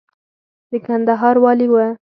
د کندهار والي و.